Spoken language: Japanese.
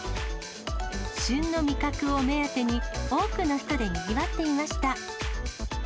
旬の味覚を目当てに、多くの人でにぎわっていました。